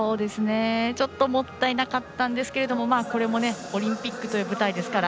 ちょっともったいなかったんですけれどもこれもパラリンピックという舞台ですから。